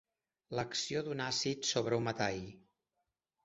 L'acció d'un àcid sobre un metall.